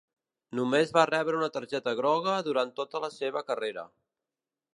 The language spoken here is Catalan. Només va rebre una targeta groga durant tota la seva carrera.